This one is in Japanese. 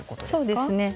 そうですね。